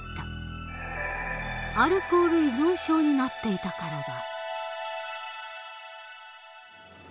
アルコール依存症になっていたからだ。